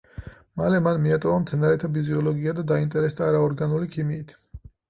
მალე მან მიატოვა მცენარეთა ფიზიოლოგია და დაინტერესდა არაორგანული ქიმიით.